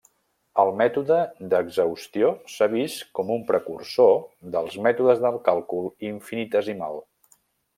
El mètode d'exhaustió s'ha vist com un precursor dels mètodes del càlcul infinitesimal.